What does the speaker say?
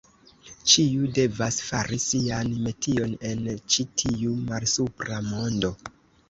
Ĉiu devas fari sian metion en ĉi tiu malsupra mondo.